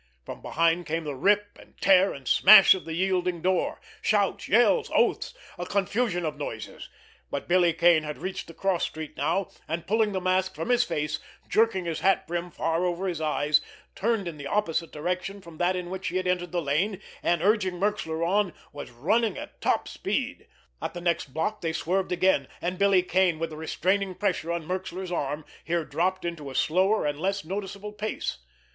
From behind came the rip and tear and smash of the yielding door, shouts, yells, oaths, a confusion of noises; but Billy Kane had reached the cross street now, and, pulling the mask from his face, jerking his hat brim far over his eyes, turned in the opposite direction from that in which he had entered the lane, and, urging Merxler on, was running at top speed. At the next block they swerved again—and Billy Kane, with a restraining pressure on Merxler's arm, here dropped into a slower and less noticeable pace.